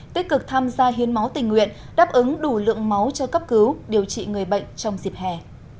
tích cực tham gia hiến máu tình nguyện đáp ứng đủ lượng máu cho cấp cứu điều trị người bệnh trong dịp hè